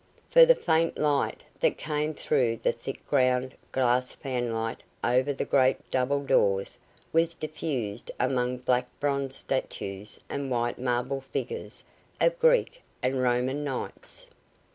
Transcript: For the faint light that came through the thick ground glass fanlight over the great double doors was diffused among black bronze statues and white marble figures of Greek and Roman knights.